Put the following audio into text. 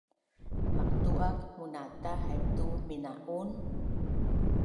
Maqtu’ak munata haip tu mina’un?